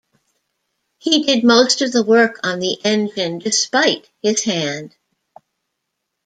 He did most of the work on the engine despite his hand.